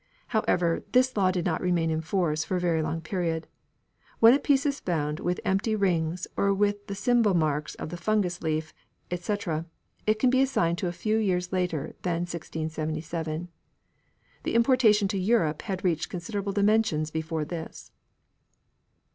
However, this law did not remain in force for a very long period. When a piece is found with empty rings or with the symbol marks of the fungus leaf, &c., it can be assigned to a few years later than 1677. The importation to Europe had reached considerable dimensions before this.